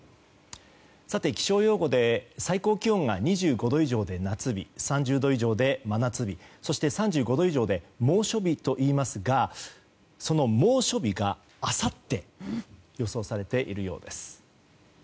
気象用語で最高気温が２５度以上で夏日３０度以上で真夏日そして、３５度以上で猛暑日といいますがその猛暑日があさって予想されているようです。